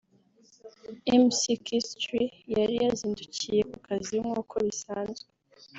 Mckinstry yari yazindukiye ku kazi nk’uko bisanzwe